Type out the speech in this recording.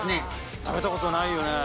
食べたことないよね。